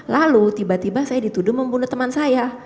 lalu tiba tiba saya dituduh membunuh teman saya